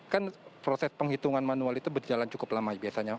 kan proses penghitungan manual itu berjalan cukup lama biasanya